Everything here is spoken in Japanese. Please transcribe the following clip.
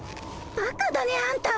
ばかだねあんた。